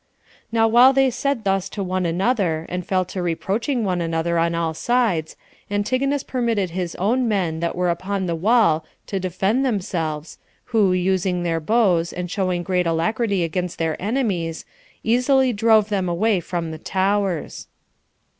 Now while they said thus one to another, and fell to reproaching one another on both sides, Antigonus permitted his own men that were upon the wall to defend themselves, who using their bows, and showing great alacrity against their enemies, easily drove them away from the towers.